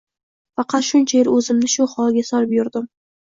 Faqat shuncha yil o‘zimni shu holga solib yurdim.